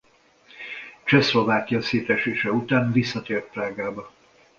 Csehszlovákia szétesése után visszatért Prágába.